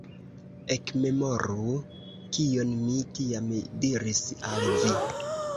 Ekmemoru, kion mi tiam diris al vi!